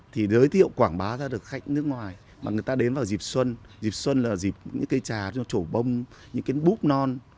thì giới thiệu quảng bá ra được khách nước ngoài mà người ta đến vào dịp xuân dịp xuân là dịp những cây trà cho trổ bông những cái búp non